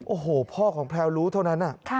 โอ้โหพ่อของแพลวรู้เท่านั้น